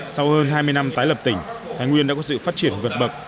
sau hơn hai mươi năm tái lập tỉnh thái nguyên đã có sự phát triển vượt bậc